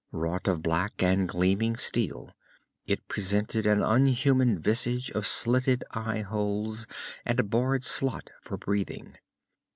Wrought of black and gleaming steel, it presented an unhuman visage of slitted eyeholes and a barred slot for breathing.